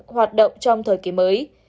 hoạt động trong thời kỳ mới